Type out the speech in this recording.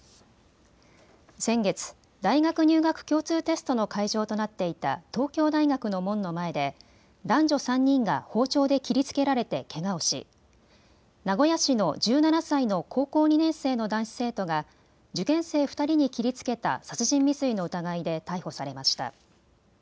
先月、大学入学共通テストの会場となっていた東京大学の門の前で男女３人が包丁で切りつけられてけがをし、名古屋市の１７歳の高校２年生の男子生徒が受験生２人に切りつけた殺人未遂の疑いで逮捕されました。